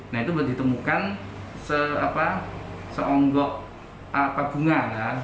nah itu ditemukan seonggok bunga